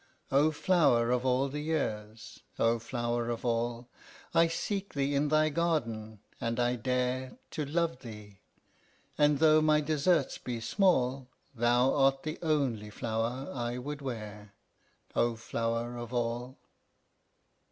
"O flower of all the years, O flower of all! I seek thee in thy garden, and I dare To love thee; and though my deserts be small, Thou art the only flower I would wear, O flower of all!"